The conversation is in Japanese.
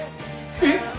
えっ！？